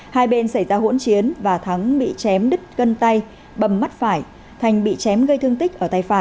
hai bên xảy ra hỗn chiến và thắng bị chém đứt gân tay bầm mắt phải thành bị chém gây thương tích